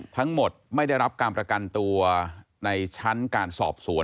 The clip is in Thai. ทั้งหมดไม่ได้รับการประกันตัวในชั้นการสอบสวน